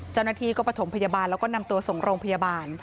เจ้าหน้าที่ก็ประถมพยาบาลแล้วก็นำตัวส่งโรงพยาบาล